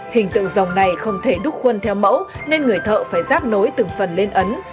hình tượng dòng này không thể đúc khuôn theo mẫu nên người thợ phải rác nối từng phần lên ấn